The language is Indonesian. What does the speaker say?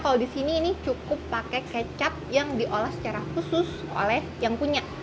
kalau di sini ini cukup pakai kecap yang diolah secara khusus oleh yang punya